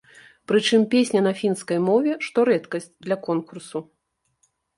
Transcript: Прычым песня на фінскай мове, што рэдкасць для конкурсу.